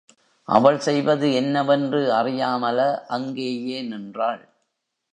அவள் செய்வது என்னவென்று அறியாமல அங்கேயே நின்றாள்.